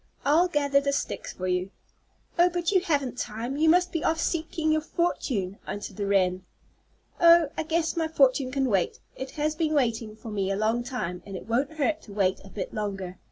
I'll gather the sticks for you." "Oh, but you haven't time; you must be off seeking your fortune," answered the wren. "Oh, I guess my fortune can wait. It has been waiting for me a long time, and it won't hurt to wait a bit longer.